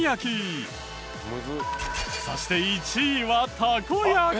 そして１位はたこ焼き。